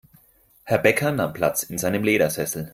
Herr Bäcker nahm Platz in seinem Ledersessel.